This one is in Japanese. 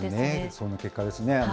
そんな結果ですね。